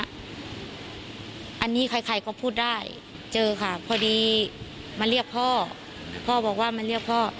อันนี้ใครใครก็พูดได้เจอค่ะพอดีมาเรียกพ่อพ่อบอกว่ามาเรียกพ่อ